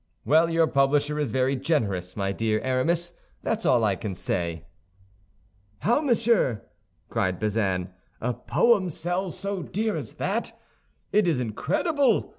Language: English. "Well, your publisher is very generous, my dear Aramis, that's all I can say." "How, monsieur?" cried Bazin, "a poem sell so dear as that! It is incredible!